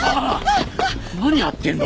何やってんの？